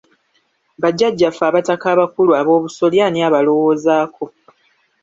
Bajajjaffe abataka abakulu ab'obusolya ani abalowoozaako?